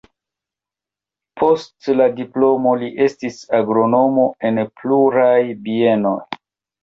Post la diplomo li estis agronomo en pluraj bienoj.